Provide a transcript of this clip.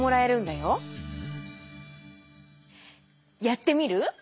やってみる？